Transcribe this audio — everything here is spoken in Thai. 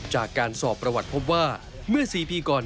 จากการสอบประวัติพบว่าเมื่อ๔ปีก่อน